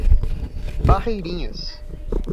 Barreirinhas